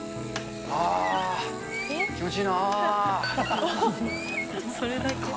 ああ、気持ちいいな。